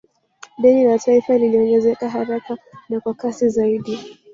Deni la taifa liliongezeka haraka na kwa kasi zaidi